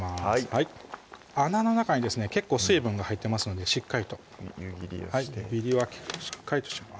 はい穴の中にですね結構水分が入ってますのでしっかりと湯切りをして湯切りはしっかりとします